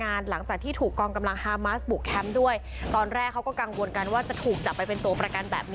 ตอนนี้พวกมันกำลังกลับมาหาพวกมัน